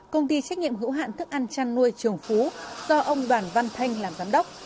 công ty trách nhiệm hữu hạn thức ăn chăn nuôi trường phú do ông đoàn văn thanh làm giám đốc